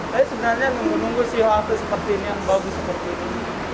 saya sebenarnya menunggu nunggu sih halte seperti ini yang bagus seperti ini